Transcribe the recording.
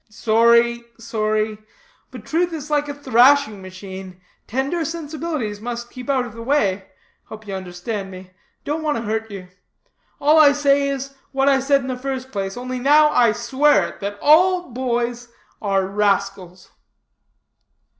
Sorry, sorry. But truth is like a thrashing machine; tender sensibilities must keep out of the way. Hope you understand me. Don't want to hurt you. All I say is, what I said in the first place, only now I swear it, that all boys are rascals."